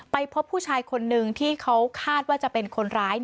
พบผู้ชายคนนึงที่เขาคาดว่าจะเป็นคนร้าย